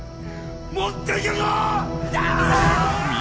持っていけるぞ！